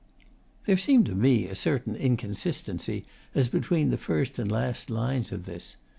There seemed to me a certain inconsistency as between the first and last lines of this.